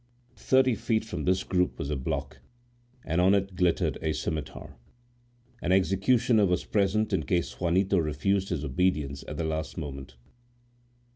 Thirty feet from this group was a block, and on it glittered a scimitar. An executioner was present in case Juanito refused his obedience at the last moment.